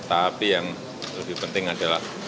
tapi yang lebih penting adalah